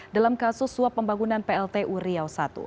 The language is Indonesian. dalam kasus suap pembangunan plt uriau i